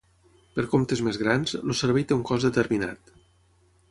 Per comptes més grans, el servei té un cost determinat.